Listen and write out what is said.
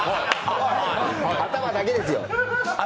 頭だけですよ。